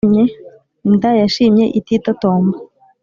inda yashimye ititotomba